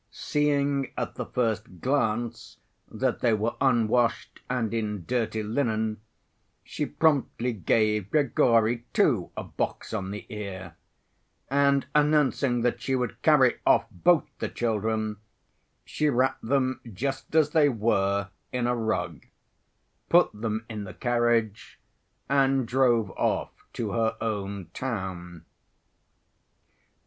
Seeing, at the first glance, that they were unwashed and in dirty linen, she promptly gave Grigory, too, a box on the ear, and announcing that she would carry off both the children she wrapped them just as they were in a rug, put them in the carriage, and drove off to her own town.